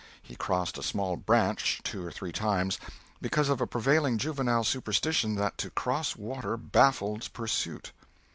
He crossed a small "branch" two or three times, because of a prevailing juvenile superstition that to cross water baffled pursuit.